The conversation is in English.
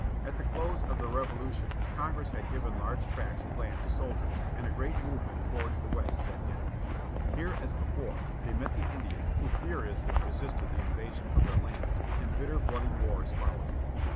At the close of the Revolution Congress had given large tracts of land to soldiers, and a great movement towards the West set in. Here, as before, they met the Indians who furiously resisted the in vasion of their lands, and bitter, bloody wars followed.